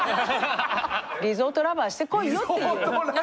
リゾート・ラバーしてこいよっていう。